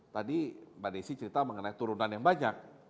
tadi mbak desi cerita mengenai turunan yang banyak